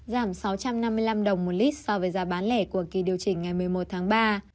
giảm sáu trăm năm mươi năm đồng một lít so với giá bán lẻ của kỳ điều chỉnh ngày một mươi một tháng ba